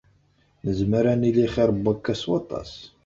Nezmer ad nili xir n wakka s waṭas.